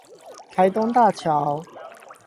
台東大橋